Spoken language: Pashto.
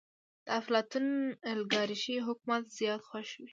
د افلاطون اليګارشي حکومت زيات خوښ وي.